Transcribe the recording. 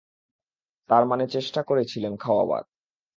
তার মানে চেষ্টা করেছিলেন খাওয়াবার?